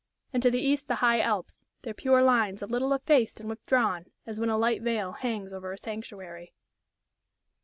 And to the east the high Alps, their pure lines a little effaced and withdrawn, as when a light veil hangs over a sanctuary.